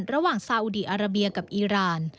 ซาอุดีอาราเบียกับอีราน